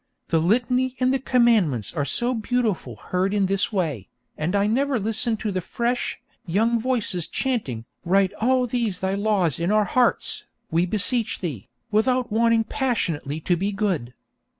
The Litany and the Commandments are so beautiful heard in this way, and I never listen to the fresh, young voices chanting 'Write all these Thy laws in our hearts, we beseech Thee,' without wanting passionately to be good.